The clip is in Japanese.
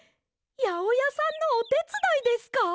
やおやさんのおてつだいですか！？